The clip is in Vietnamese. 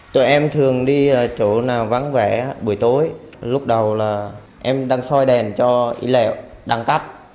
tụi em thường đi chỗ nào vắng vẻ buổi tối lúc đầu là em đang soi đèn cho y lẹo đăng cắt